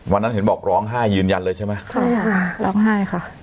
วันนั้นเห็นบอกร้องไห้ยืนยันเลยใช่ไหมใช่ค่ะร้องไห้ค่ะ